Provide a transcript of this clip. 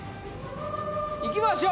いきましょう